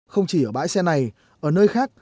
không chỉ ở bãi xe này ở nơi khác